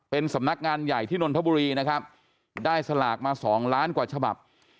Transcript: เป็นสำนักงานใหญ่ที่นนทบุรีนะครับได้สลากมาสองล้านกว่าฉบับ